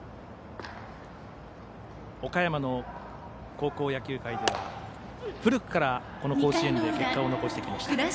岡山の高校野球界では古くから甲子園で結果を残してきました。